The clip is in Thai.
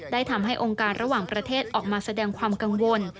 ทำให้องค์การระหว่างประเทศออกมาแสดงความกังวล